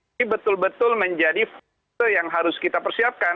ini betul betul menjadi fokus yang harus kita persiapkan